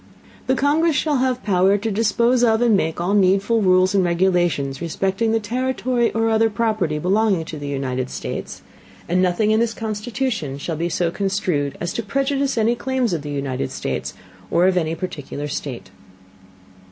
The Congress shall have Power to dispose of and make all needful Rules and Regulations respecting the Territory or other Property belonging to the United States; and nothing in this Constitution shall be so construed as to Prejudice any Claims of the United States, or of any particular State.